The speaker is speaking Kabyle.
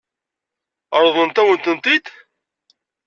Ṛeḍlent-awen-tent-id?